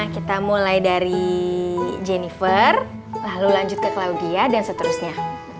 kita mulai dari jennifer lalu lanjut ke claugia dan seterusnya